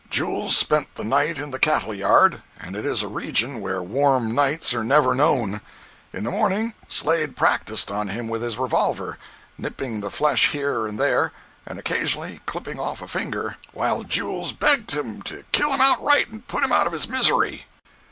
Jules spent the night in the cattle yard, and it is a region where warm nights are never known. In the morning Slade practised on him with his revolver, nipping the flesh here and there, and occasionally clipping off a finger, while Jules begged him to kill him outright and put him out of his misery.